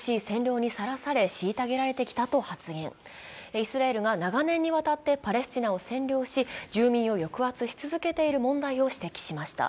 イスラエルが長年にわたってパレスチナを占領し、住民を抑圧していることを指摘しました。